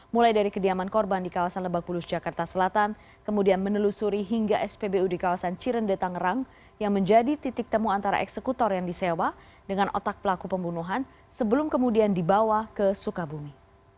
mulai dari kediaman korban di kawasan lebak bulus jakarta selatan kemudian menelusuri hingga spbu di kawasan cirendetangerang yang menjadi titik temu antara eksekutor yang disewa dengan otak pelaku pembunuhan sebelum kemudian dibawa ke sukabumi